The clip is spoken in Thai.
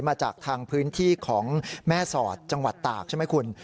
มาจากทางพื้นที่ของแม่สอดจังหวัดตากใช่ไหมคุณ